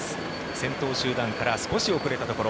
先頭集団から少し遅れたところ。